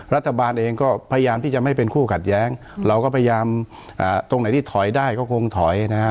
รัฐบาลเองก็พยายามที่จะไม่เป็นคู่ขัดแย้งเราก็พยายามตรงไหนที่ถอยได้ก็คงถอยนะฮะ